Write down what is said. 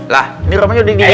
lah ini rumahnya udah digedihkan